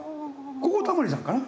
ここはタモリさんかな。